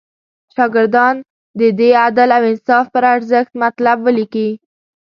شاګردان دې د عدل او انصاف پر ارزښت مطلب ولیکي.